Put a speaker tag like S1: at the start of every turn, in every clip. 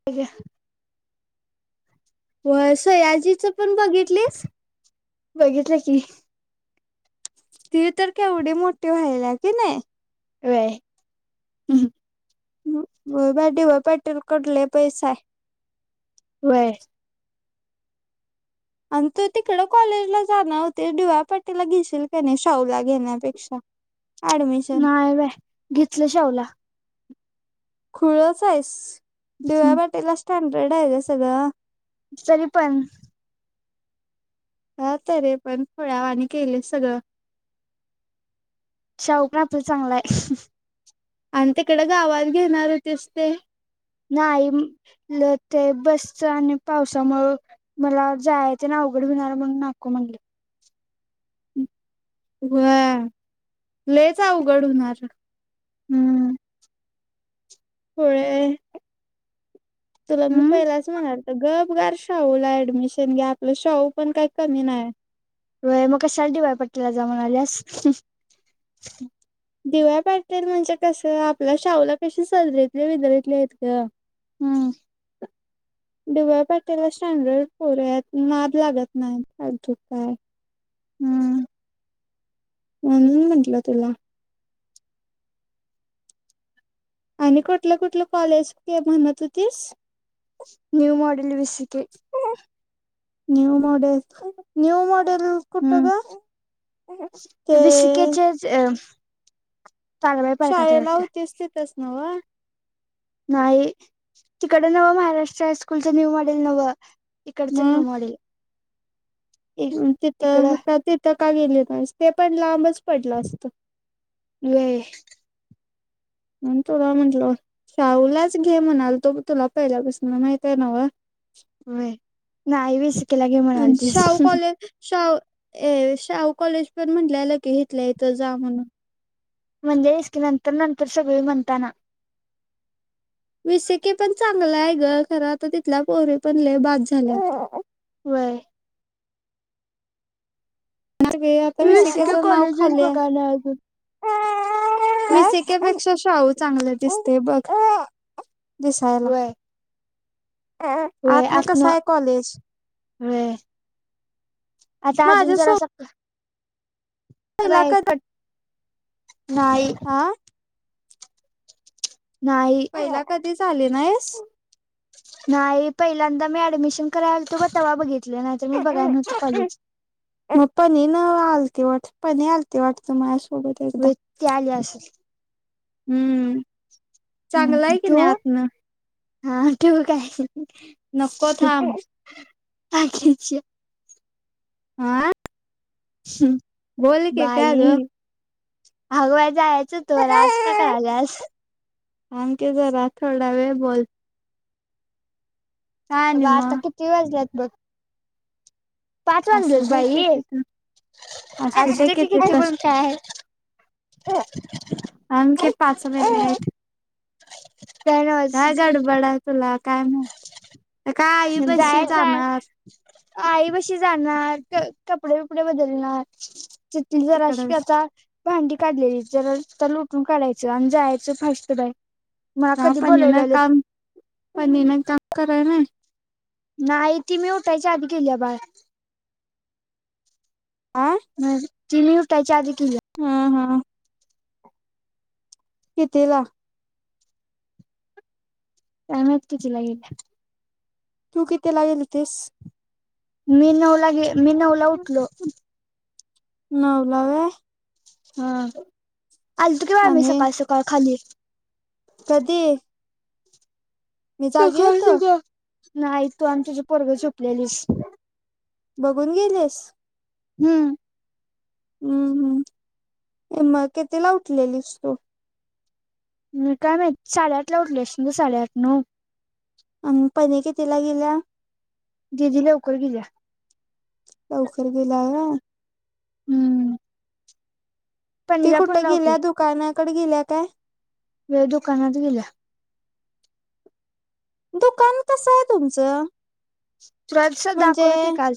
S1: [inaudible]
S2: होय सायाजीच पण बघितलीस.
S1: बघितलं की.
S2: ती तर केवढी मोठी व्हायला की नई.
S1: व्हय.
S2: हम्म बाई डी वाय पाटील कड लई पैसा आहे.
S1: व्हय.
S2: आणि तू तिकड कॉलेजला जाणार होते डी वाय पाटीला घेशील का नाया शाहू ला घेण्यापेक्षा. ऍडमिशन
S1: नाय बाई घेतला शाहूला.
S2: खुळच आहेस. डी वाय पाटील ला स्टँडर्ड आहे ग सगळं.
S1: तरी पण
S2: हां तरी पण खुळ्या वाणी केलं सगळं
S1: शाहू पण अती चांगला आहे
S2: आणि तिकड गावात घेणार होतीस ते
S1: नाही ल ते बसच आणि पावसामुळ मला जायचे ना अवघड होणार म्हणून नाको म्हणली
S2: व्हय लईच अवघड होणार.
S1: हम्म.
S2: होय तुला मी
S1: हम्म
S2: पहिलाच म्हणाली गप गार शाहुला ऍडमिशन घ्या आपलं शाहु पण काय कमी नाय
S1: व्हय मग कशाला डी वाय पाटीलला जाऊन आलियास
S2: डी वाय पाटील म्हणजे कसं आपल्या शाहुला कशी सजरीतले विदरतले आहेत ग
S1: हम्म.
S2: डी वाय पाटीलला स्टॅंडर्ड पोर आहेत नाद लागत नाय फालतूचा
S1: हम्म.
S2: म्हणून म्हटलं तुला आणि कुठलं कुठलं कॉलेज ते म्हणत होतीस
S1: न्यू मॉडेल विसिके
S2: न्यू मॉडेल न्यू मॉडेल कुट
S1: हम्म
S2: गं? ते
S1: चे अंम
S2: शाळेला होतीस तीतच नव?
S1: न्हाइ तिकडं नवं, महाराष्ट्र हायस्कूलचं न्यू मॉडेल नवं. इकडचं न्यू मॉडेल. इ
S2: हम्म.
S1: इकडं
S2: तिथं तिथं का गेली नायब? ते पण लांबच पडलं असतं.
S1: वे
S2: मणु तुला म्हटलं. शाहूलाच घे म्हणालतो तुला पहिल्यापासनं माहितय नवं.
S1: वय नाई विस्कीला गे म्हणालतीस.
S2: शाह ए शाहू कॉलेज पण म्हटल्यालं की इथल्या इथं जा म्हणून.
S1: म्हणजे इसकी नंतर नंतर सगळी म्हणताना.
S2: विसेके पण चांगलाय गं खरं आता तिथल्या पोरी पण लय बाद झाल्यात.
S1: वय.
S2: आता विसिकेच
S1: विसके
S2: नाव
S1: कॉलेजेस
S2: खालीय.
S1: बघायला अजून काय
S2: विसिक केपेक्षा शाऊ चांगलं दिसतय बघा दिसायला.
S1: व्हय व्हय
S2: आतन कसं
S1: आतनं
S2: आहे कॉलेज
S1: व्हय. आता अजून
S2: माझ्या
S1: जरासं
S2: सोबत
S1: एक
S2: पहिला
S1: बाय
S2: कधी
S1: कट. न्हाई
S2: हा
S1: न्हाई.
S2: पयला कधीच आली नायस.
S1: नाई पहिल्यांदा मी ऍडमिशन कराय आलतो बग. तवा बघितलं नाही तर मी बघाय न्हवतं कॉलेज.
S2: पनीनं आलती वाट, पनी आलती वाटतं माझ्यासोबत एकदा.
S1: व्हय ती आली आसल.
S2: हम्म
S1: हम्म
S2: चांगलंय की नाइ
S1: ठेवू
S2: आतनं.
S1: हा ठिव काय?
S2: नको थांब
S1: बाकिच्या.
S2: हा
S1: ह्हं,
S2: बोल की काय ग
S1: बाई. आगं बाय जायचं होतं मला. आसं का करायल्यास?
S2: थांब की जरा थोडा वेळ बोल. काय
S1: अग
S2: आणि
S1: आता
S2: मग
S1: किती वाजलेत बघ. पाच वाजलेत
S2: असुदे
S1: बाई
S2: किती तर,
S1: असू
S2: असुदे
S1: दे की
S2: किती तर.
S1: पण काय
S2: थांब की पाच मिनीटे. काय गडबडय तुला काय माहित? काय आई पशी जाणार.
S1: आईबशी जाणार का कपडे बिपडे बदलणार.
S2: तिकडं
S1: [unintelligible] भांडी काढलेली जरा तर लोटून काढायचं, आणि जायचं फास्त बाय. मला
S2: हा
S1: कधी
S2: पनीला
S1: बोलवलेलं
S2: काम पनीनं काम कराय नाय?
S1: नाइ ती मी उठायची आधी गेलीया बाहेर.
S2: आं.
S1: ती मी उठायच्या अधी गेलीया.
S2: हम्म हम्म. कितीला?
S1: काय माहित किती ला गेलीय?
S2: तू कितीला यीलतीस?
S1: मी नऊला गे, मी नवला उठलो.
S2: नवला वय?
S1: हा. आलतू की व आमी,
S2: आणि
S1: सकाळ- सकाळ खाली.
S2: कधी? मी जागी
S1: सकाळ-
S2: होतो
S1: सकाळ. नाही तू आमच्या जी पोरगं झोपल्यालीस.
S2: बघून गेलेस?
S1: हम्म.
S2: हम्म, हम्. ये मग कितीला उठलेलीस तू?
S1: मी काय माहित. साडेआठला उठली अशी न गं. साडेआठ- नऊ.
S2: अं पनी कितीला गेल्या?
S1: दिदी लवकर गिलिया.
S2: लवकर गिल्याय वय?
S1: हम्.
S2: ती कुठं
S1: लावली
S2: गील्या? दुकानाकड गिलिया काय?
S1: व्हय, दुकानात गील्या.
S2: दुकान कसंय तुमचं?
S1: तुला तस
S2: म्हणजे
S1: दाखवलं की काल.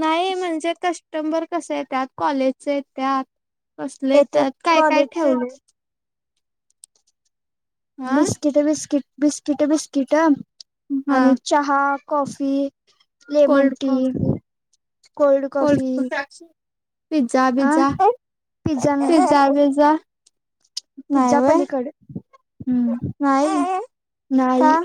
S2: नाही म्हणजे, कस्टंबर कसं येत्यात? कॉलेजच येत्यात कसले
S1: येथे
S2: एत्यात? काय- काय
S1: कॉलेजचे
S2: ठेवलंय? हा
S1: बिस्किटं- बिस्किट, बिस्किटं- बिस्किटं.
S2: हा
S1: आणि चहा, coffee, lemon
S2: cold
S1: tea
S2: coffee
S1: cold coffee
S2: pizza
S1: अ
S2: बिज्जा हाय.
S1: पिझ्झा नाही
S2: पिज्झा- बिझ्झा. नाही
S1: पिझ्झा
S2: व्हय
S1: पलीकडं. हम्म.
S2: नाही का
S1: नाही.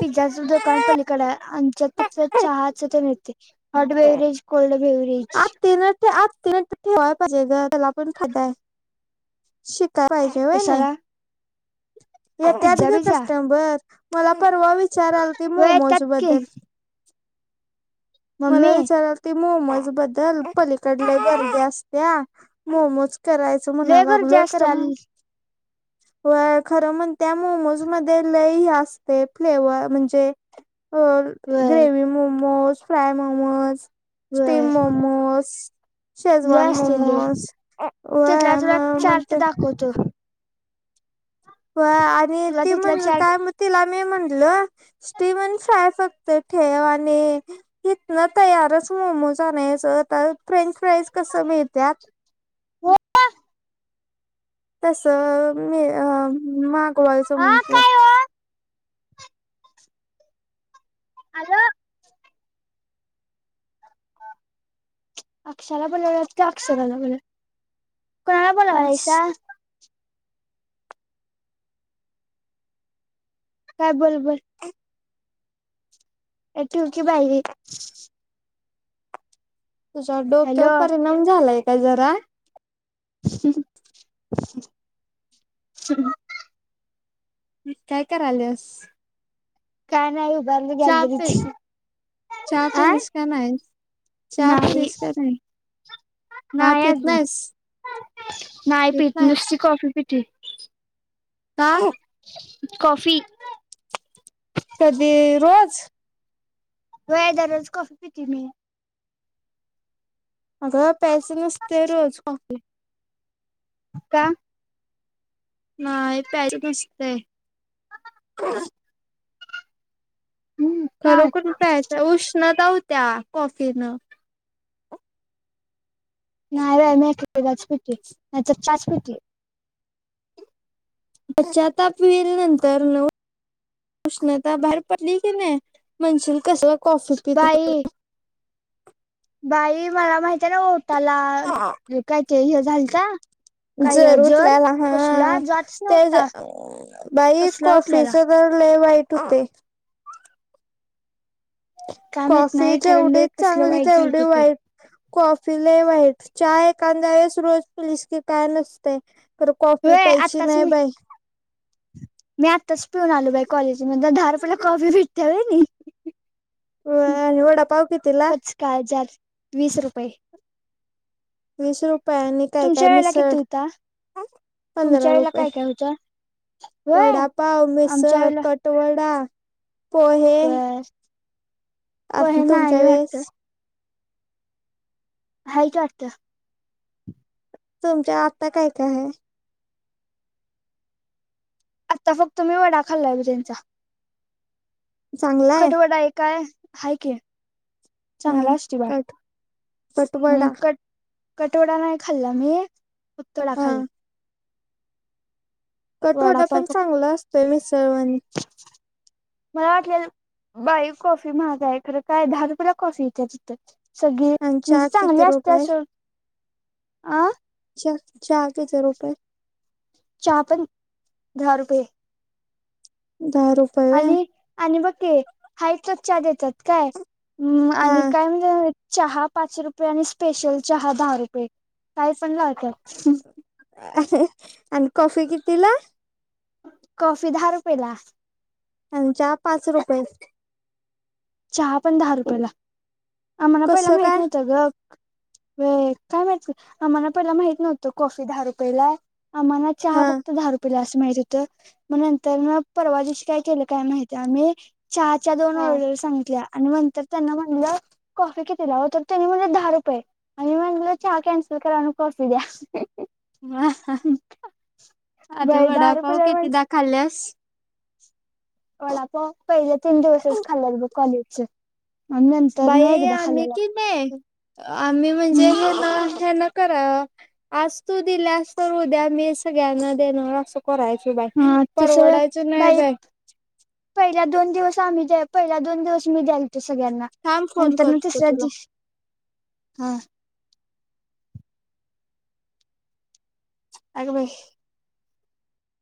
S1: पिझ्झाचं दुकान पलीकडय. आमच्यात फक्त चहाचं ते मिळतय. Hot beverage, cold beverage.
S2: ते आज ठेवाय पाहिजे गं, त्याला पन फायदाय. शिकायला पाहिजेय होय, नाई.
S1: कशाला
S2: एत्यात
S1: पिझ्झा
S2: गं
S1: पिझ्झा
S2: कस्टमबर. मला परवा विचाराल ती
S1: होय येतात की
S2: मोमोजबद्दल. मला
S1: मम्मी
S2: विचारालत ती मोमोज बद्दल. पलीकड लय गर्दी असत्या. मोमोज कराय चं मना
S1: लय गर्दी
S2: लागलोय,
S1: असते
S2: करम वय खरं मणत्या. मोमोज मधे लई असतय. फ्लेव म्हणजे अ
S1: व्हय
S2: gravy momos, fry momos steam
S1: व्हय
S2: मोमोस
S1: लय
S2: शेजवान
S1: असते लय
S2: मोमोज. वय म म्हनते
S1: त
S2: वय आणि
S1: तुला
S2: ती
S1: तिथला
S2: म्हणली काय,
S1: चार्ट
S2: म्ह तीला मी म्हणलं स्टीमन फ्राय फक्त ठेव. आणि तिथनं तयारच मोमोज आणयचं. आता फ्रेंच फ्राईज कसं मिळत्यात तसं मी अ मागवायचं
S1: हा
S2: म्हणतोय.
S1: काय हो आलो. अक्ष्याला बोलावला का, अक्षराला बोल. कोणाला
S2: अस
S1: बोलावंलायसा? काय बोल, बोल.
S2: अ.
S1: ए ठीव की बाई.
S2: तुझ्या डोक्यावर
S1: हॅलो
S2: परिणाम झालाय काय जरा?
S1: हंहं.
S2: काय कराल्यास?
S1: काय नाही उभारलोय
S2: चहा पे
S1: गॅलरीत.
S2: चहा
S1: आ
S2: पेलिस का नाही, चहा
S1: नाही
S2: पेलिस का नाही. का
S1: नाही
S2: पित
S1: अजून,
S2: नाहीस?
S1: नाही
S2: पित
S1: पीत,
S2: नाहीस?
S1: नुसती कॉफी पितोय.
S2: का?
S1: कॉफी.
S2: कधी रोज?
S1: व्हय दररोज कॉफी पितोय मी.
S2: अग प्यायच नसतय रोज कॉफी.
S1: का?
S2: नाही प्याच नसतय.
S1: हम्म का
S2: खरोखर प्यायचं उष्णता होत्या कॉफीनं.
S1: नाही बाई मी एक एकदाच पितोय नाहीतर चहाच पितोय.
S2: पश्चाताप व्हिईल नंतर न. उष्णता बाहेर पडली की नई म्हणशील कसवा
S1: बाई बाई मला माहती आहे ना ओटाला काय ते हे झालत.
S2: जर उठल्याला हा
S1: जातच
S2: त्या
S1: नव्हता
S2: बाई
S1: कसला उठलेला
S2: कॉफीच जर लई वाईट होतोय.
S1: काय माहित
S2: कॉफी
S1: नाही खरं
S2: जेवढी
S1: लय कसलं
S2: चांगली,
S1: वाईट झालत
S2: तेवढी
S1: ते
S2: वाईट. कॉफी लई वाईट चहा एकांदा वळेस रोज पिलीस की काय नसतय. तर कॉफी
S1: व्हय
S2: प्यायची
S1: आत्ताच
S2: नाही
S1: मी
S2: बाई.
S1: मी आत्ताच पिऊन आलो बाई कॉलेज मध्ये दहा रुपयेला कॉफी भेटत्या होई नई.
S2: होय आणि वडा, पाव की
S1: पचका हजार, वीस रुपये.
S2: वीस रुपये आणि काय काय
S1: तुमच्या वेळेला
S2: मिसळ
S1: किती होता तुमच्या
S2: पंधरा
S1: वेळेला
S2: रुपये.
S1: काय काय होतं व्हय
S2: वडापाव,
S1: आमच्या
S2: मिसळ,
S1: वेळेला
S2: कटवडा, पोहे
S1: व्हय
S2: आता
S1: पोहे
S2: तुमच्या
S1: नाही
S2: वेळेस
S1: वाटतं हाईत वाटत.
S2: तुमच्या आता काय काय आहे?
S1: आता फक्त मी वडा खाल्लाय ब त्यांचा
S2: चांगला आहे
S1: कटवडा एक हाय. हाय कि
S2: हा
S1: चांगला असतोय बाळ
S2: कट
S1: ह्
S2: कटवडा
S1: कट कटवडा नाही खाल्ला मी फक्त वडा
S2: हा
S1: खाल्लाय.
S2: कटवडा
S1: वडापाव
S2: पण
S1: फक्त
S2: चांगला असतोय मिसळवाणी.
S1: मला वाटले बाई कॉफी महागाय खरं काय दहा रुपयला कॉफी येत्या तिथ. सगळी
S2: आणि चहा
S1: म्हणजे चांगली
S2: किती
S1: असत्या
S2: रुपये
S1: सोड अ
S2: च चहा किती रुपये?
S1: चहा पण दहा रुपये.
S2: दहा रूप
S1: आणि आणि बघ की हाय तोच च्या देत्यात. काय म्
S2: हा
S1: आणि काय म्हणत्यात मा चहा पाचशे रुपये आणि स्पेशल चहा दहा रुपये काय पण लावत्यात.
S2: आणि कॉफी कितीला?
S1: कॉफी दहा रुपयेला.
S2: आणि चहा पाच रुपये.
S1: चहा पण दहा रुपयेला. आम्हाला पाहिलं
S2: कसं
S1: माहित
S2: काय
S1: नव्हतं ग वे काय माहती, आम्हाला पहिला माहित नव्हत कॉफी दहा रुपयेला. आम्हांला चहा
S2: हा
S1: फक्त दहा रुपयला असं माहित होतं. ग नंतर मग परवा दिवशी काय केलं काय माहिती आम्ही चहाचा दोन
S2: हा
S1: ऑर्डरस आणि नंतर त्यांना म्हणलं कॉफी कितीला हो तर त्यांनी म्हणल दहा रुपये. आणि म्हणल चहा कॅन्सल करा आणि कॉफी द्या.
S2: व्हा आधी
S1: बर दहा
S2: वडापाव
S1: रुपयेला म्हण
S2: किती द खाल्ल्यास?
S1: वडापाव पहिले तीन दिवसच खाल्ला बघ. कॉलेज च् आणि न
S2: बाई
S1: एकदा
S2: आम्ही
S1: खाल्लेला
S2: कि नाई आम्ही म्हणजे
S1: हम्म
S2: [unintelligible] करा, आज तू दिल्यास तर उद्या मी सगळ्यांना देणार अस. करायच बाकी,
S1: हा
S2: परवडायचं नाही बाई.
S1: पहिला दोन दिवस आम्ही द्या, पहिला दोन दिवस मी द्यालतो सगळ्यांना.
S2: थांब फोन
S1: नंतर मग
S2: करतो
S1: तिसऱ्या
S2: तुला
S1: दिवशी, हा. अग बाई!